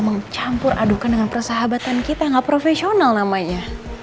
mencampur adukan dengan persahabatan kita gak profesional namanya